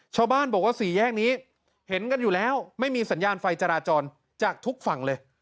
ชาวบ้านบอกว่าสี่แยกนี้เห็นกันอยู่แล้วไม่มีสัญญาณไฟจราจรจากทุกฝั่งเลย